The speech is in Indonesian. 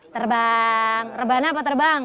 terbang rebana apa terbang